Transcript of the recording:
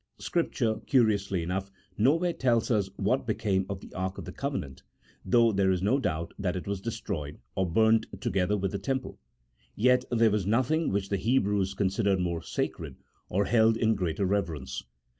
Scripture, curiously enough, nowhere tells us what be came of the Ark of the Covenant, though there is no doubt that it was destroyed, or burnt together with the Temple ; yet there was nothing which the Hebrews considered more sacred, or held in greater reverence.